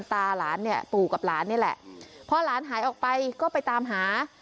หลานเนี่ยปู่กับหลานนี่แหละพอหลานหายออกไปก็ไปตามหา